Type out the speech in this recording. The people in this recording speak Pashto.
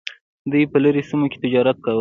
دوی په لرې سیمو کې تجارت کاوه